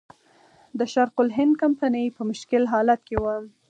د شرق الهند کمپنۍ په مشکل حالت کې وه.